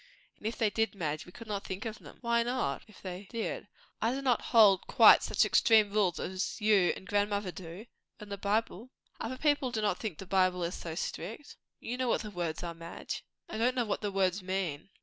And if they did, Madge, we could not think of them." "Why not? if they did. I do not hold quite such extreme rules as you and grandmother do." "And the Bible." "Other people do not think the Bible is so strict." "You know what the words are, Madge." "I don't know what the words mean."